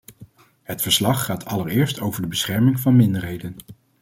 Het verslag gaat allereerst over de bescherming van minderheden.